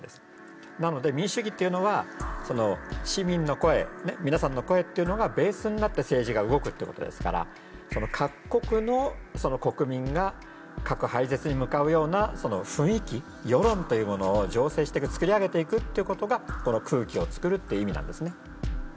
なので民主主義というのは市民の声皆さんの声っていうのがベースになって政治が動くってことですから各国の国民が核廃絶に向かうような雰囲気世論というものを醸成していく作り上げていくということがこの「空気を作る」って意味なんですね。